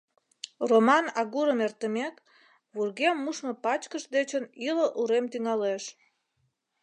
Роман агурым эртымек, вургем мушмо пачкыш дечын ӱлыл урем тӱҥалеш.